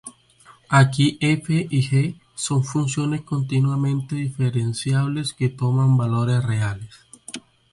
Aquí "f" y "g" son funciones continuamente diferenciables que toman valores reales.